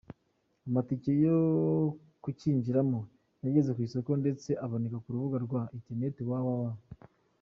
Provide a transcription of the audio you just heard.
Amatike yo kucyinjiramo yageze ku isoko ndetse aboneka ku rubuga rwa internet www.